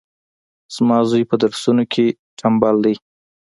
زما زوی پهدرسونو کي ټمبل دی